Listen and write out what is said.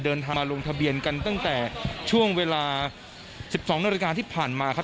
เดินทางมาลงทะเบียนกันตั้งแต่ช่วงเวลา๑๒นาฬิกาที่ผ่านมาครับ